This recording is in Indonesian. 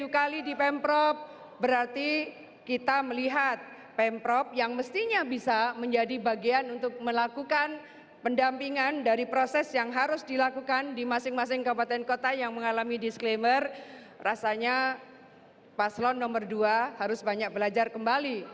kota yang mengalami disclaimer rasanya paslon nomor dua harus banyak belajar kembali